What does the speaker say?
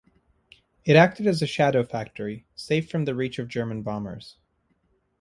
It acted as a "shadow factory," safe from the reach of German bombers.